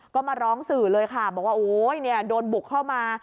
ก็มาร้องสื่อเลยค่ะบอกว่าโอ๊ยเนี่ยโดนบุกเข้ามา